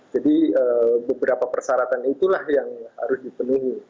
jadi beberapa persyaratan itulah yang harus dipenuhi